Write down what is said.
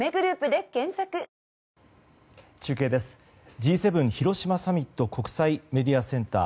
Ｇ７広島サミット国際メディアセンター。